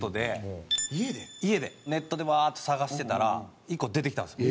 ネットでワーッと探してたら１個出てきたんです。